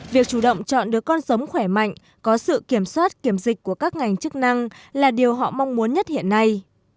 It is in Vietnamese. việc chủ động chọn được con sống khỏe mạnh có sự kiểm soát kiểm dịch của các ngành chức năng là điều họ mong muốn nhất hiện nay